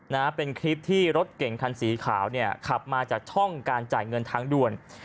นะฮะเป็นคลิปที่รถเก่งคันสีขาวเนี่ยขับมาจากช่องการจ่ายเงินทางด่วน